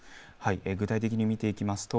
具体的に見ていきます。